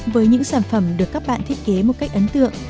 với những sản phẩm được các bạn thiết kế một cách ấn tượng